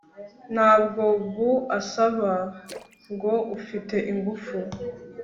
ntabwo buasaba ngo ufite ingufu